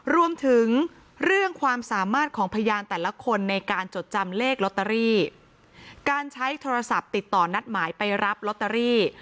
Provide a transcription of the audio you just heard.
รวมถึงเรื่องความสามารถของพยานแต่ละคนในการจดจำเลขลอตเตอรี่การใช้โทรศัพท์ติดต่อนัดหมายไปรับลอตเตอรี่